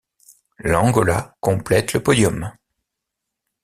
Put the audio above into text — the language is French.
L'Angola complète le podium.